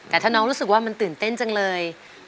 แต่ถ้าน้องรู้สึกว่ามันตื่นเต้นจังเลย